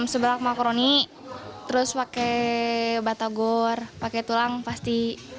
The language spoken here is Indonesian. sebelah makroni terus pakai batagor pakai tulang pasti